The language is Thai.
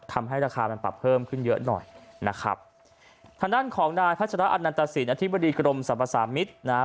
ทำให้ราคามันปรับเพิ่มขึ้นเยอะหน่อยนะครับทางด้านของนายพัชราอันนันตสินอธิบดีกรมสรรพสามิตรนะฮะ